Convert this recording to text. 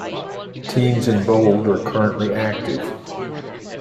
Teams in bold are currently active.